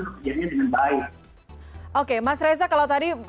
pekerjaannya dengan baik oke mas reza kalau tadi